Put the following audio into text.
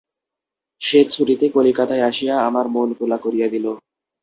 সে ছুটিতে কলিকাতায় আসিয়া আমার মন উতলা করিয়া দিল।